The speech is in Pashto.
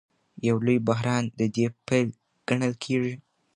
یو لوی بحران د دې پیل ګڼل کېږي.